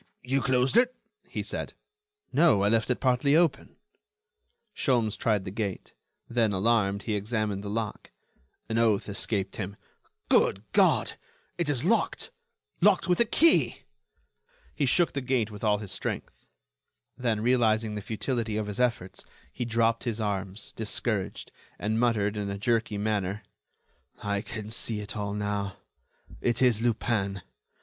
"Ah! you closed it?" he said. "No, I left it partly open." Sholmes tried the gate; then, alarmed, he examined the lock. An oath escaped him: "Good God! it is locked! locked with a key!" He shook the gate with all his strength; then, realizing the futility of his efforts, he dropped his arms, discouraged, and muttered, in a jerky manner: "I can see it all now—it is Lupin.